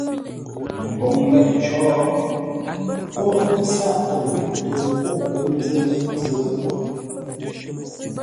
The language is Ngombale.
Mboŋ leʼé cǒ, poghʼ ghʉ̌ sáʼ təʉ tə o kə́ zə̂t zə̂t.